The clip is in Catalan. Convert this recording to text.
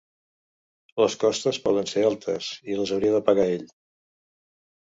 Les costes poden ser altes i les hauria de pagar ell.